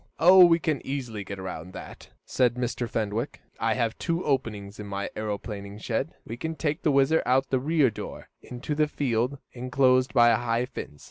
"Oh, we can easily get around that," said Mr. Fenwick. "I have two openings to my aeroplane shed. We can take the WHIZZER out of the rear door, into a field enclosed by a high fence.